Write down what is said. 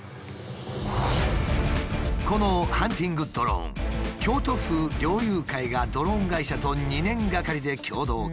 このハンティングドローン京都府猟友会がドローン会社と２年がかりで共同開発。